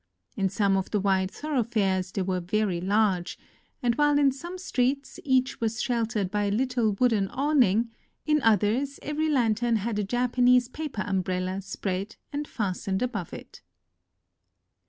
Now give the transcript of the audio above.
In some of the wide thorougMares they were very large ; and while in some streets each was sheltered by a little wooden awning, in others every lantern had a Japanese paper umbrella spread and fas tened above it.